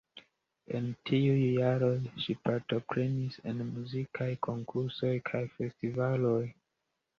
En tiuj jaroj ŝi partoprenis en muzikaj konkursoj kaj festivaloj.